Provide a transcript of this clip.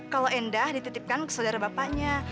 kalau endah dititipkan ke saudara bapaknya